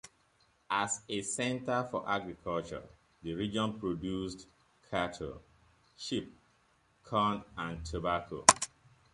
As a center for agriculture the region produced cattle, sheep, corn, and tobacco.